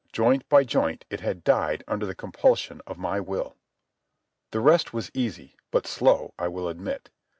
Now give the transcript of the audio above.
Joint by joint it had died under the compulsion of my will. The rest was easy, but slow, I will admit.